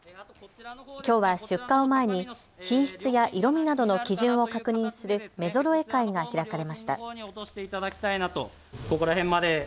きょうは出荷を前に品質や色みなどの基準を確認する目ぞろえ会が開かれました。